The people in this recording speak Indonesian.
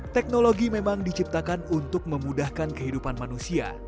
teknologi memang diciptakan untuk memudahkan kehidupan manusia